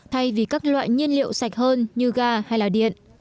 thay vì các loại nhiên liệu sạch hơn như ga hay là điện